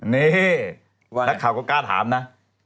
นี่นักข่าวก็กล้าถามนะ